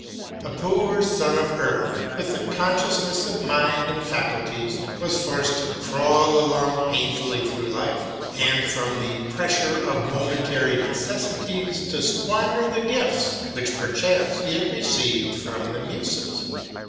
A poor son of earth, with a conscious ness of mind and faculties, was forced to crawl along pain fully through life, and, from the pressure of momentary necessities, to squander the gifts which perchance he had re ceived from the Muses.